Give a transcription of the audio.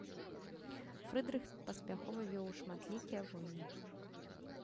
Фрыдрых паспяхова вёў шматлікія войны.